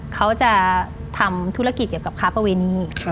เขาจะทำธุรกิจเกี่ยวกับค้าประเวณี